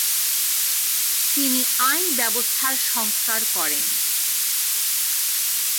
তিনি আইন ব্যবস্থার সংস্কার করেন।